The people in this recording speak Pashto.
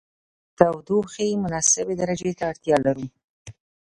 د تودوخې مناسبې درجې ته اړتیا لرو.